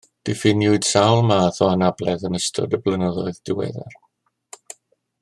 Diffiniwyd sawl math o anabledd yn ystod y blynyddoedd diweddar